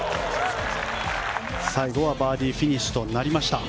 最後はバーディーフィニッシュとなりました。